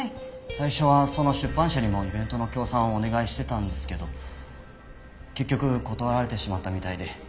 最初はその出版社にもイベントの協賛をお願いしてたんですけど結局断られてしまったみたいで。